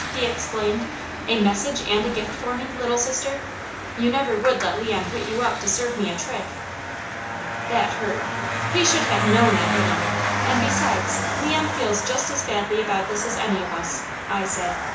he exclaimed. "A message and a gift for me, Little Sister? You never would let Leon put you up to serve me a trick?" That hurt. He should have KNOWN I wouldn't, and besides, "Leon feels just as badly about this as any of us," I said.